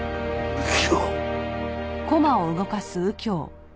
右京！